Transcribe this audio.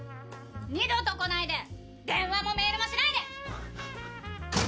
二度と来ないで電話もメールもしないで。